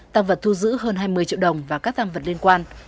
tăng vật thu giữ hơn hai mươi triệu đồng và các tăng vật liên quan